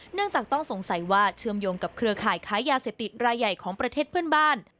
เนื่องจากต้องสงสัยว่าเชื่อมโยงกับเครือข่ายค้ายาเสพติดรายใหญ่ของประเทศเพื่อนบ้าน